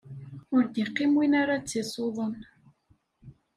Ur d-iqqim win ar ad tt-isuḍen.